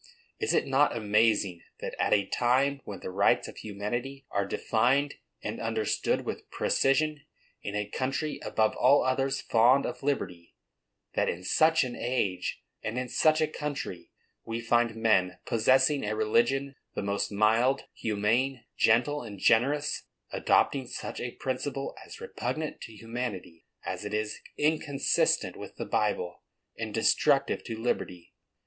Is it not amazing that at a time when the rights of humanity are defined and understood with precision, in a country above all others fond of liberty,—that in such an age and in such a country we find men professing a religion the most mild, humane, gentle and generous, adopting such a principle, as repugnant to humanity as it is inconsistent with the Bible, and destructive to liberty?